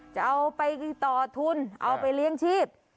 จะเอาไปต่อทุนเอาไปเลี้ยงชีพ